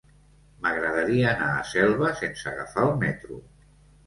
M'agradaria anar a Selva sense agafar el metro.